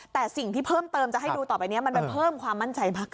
แต่สิ่งที่เพิ่มเติมจะให้ดูต่อไปนี้มันไปเพิ่มความมั่นใจมากขึ้น